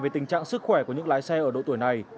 về tình trạng sức khỏe của những lái xe ở độ tuổi này